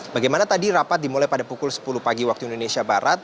bagaimana tadi rapat dimulai pada pukul sepuluh pagi waktu indonesia barat